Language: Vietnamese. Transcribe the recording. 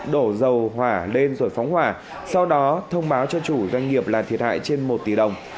đổ dầu hỏa lên rồi phóng hỏa sau đó thông báo cho chủ doanh nghiệp là thiệt hại trên một tỷ đồng